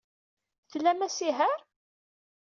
Tlam asihaṛ?